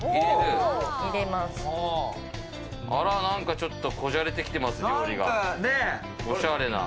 ちょっと、こじゃれてきてますよ、料理が。